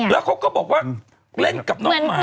แล้วเขาก็บอกว่าเล่นกับน้องหมา